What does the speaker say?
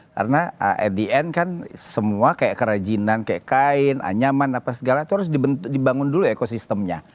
karena at the end kan semua kayak kerajinan kayak kain anyaman apa segala itu harus dibangun dulu ekosistemnya